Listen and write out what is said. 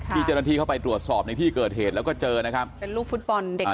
ที่เจ้าหน้าที่เข้าไปตรวจสอบในที่เกิดเหตุแล้วก็เจอนะครับเป็นลูกฟุตบอลเด็ก